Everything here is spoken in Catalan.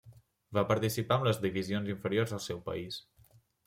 Va participar amb les divisions inferiors del seu país.